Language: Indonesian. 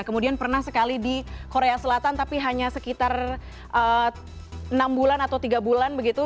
kemudian pernah sekali di korea selatan tapi hanya sekitar enam bulan atau tiga bulan begitu